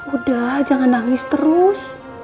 udah jangan nangis terus